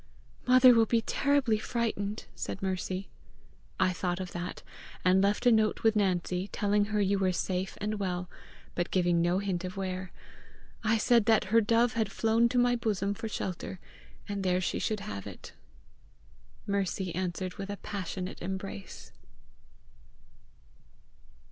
"Mother will be terribly frightened!" said Mercy. "I thought of that, and left a note with Nancy, telling her you were safe and well, but giving no hint of where. I said that her dove had flown to my bosom for shelter, and there she should have it." Mercy answered with a passionate embrace.